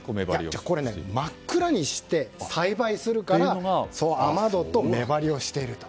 これ、真っ暗にして栽培するから雨戸と目張りをしているんです。